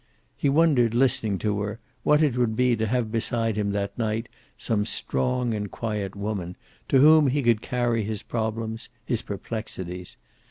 He wondered listening to her, what it would be to have beside him that night some strong and quiet woman, to whom he could carry his problems, his perplexities.